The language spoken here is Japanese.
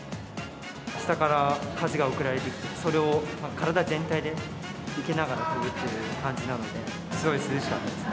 下から風が送られてきて、それを体全体で受けながら飛ぶ感じなので、すごい涼しかったです。